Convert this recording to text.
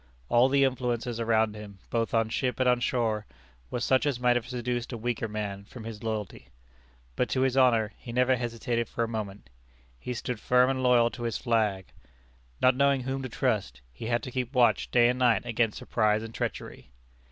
All the influences around him, both on ship and on shore, were such as might have seduced a weaker man from his loyalty. But, to his honor, he never hesitated for a moment. He stood firm and loyal to his flag. Not knowing whom to trust, he had to keep watch day and night against surprise and treachery.